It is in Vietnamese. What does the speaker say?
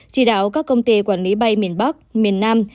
chỉ đạo các công ty quản lý bay miền bắc miền nam